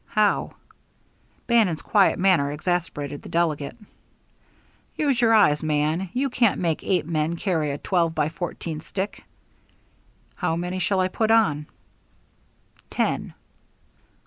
"How?" Bannon's quiet manner exasperated the delegate. "Use your eyes, man you can't make eight men carry a twelve by fourteen stick." "How many shall I put on?" "Ten."